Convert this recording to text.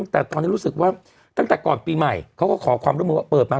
แต่ตอนนี้รู้สึกว่าตั้งแต่ก่อนปีใหม่เขาก็ขอความร่วมมือว่าเปิดมา